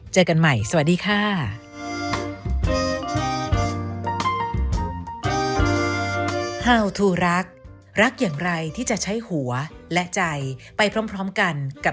เจอกันใหม่สวัสดีค่ะ